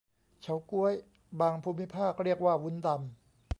เฉาก๊วย บางภูมิภาคเรียกว่าวุ้นดำ